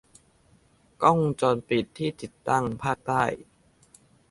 กล้องวงจรปิดที่ติดตั้งภาคใต้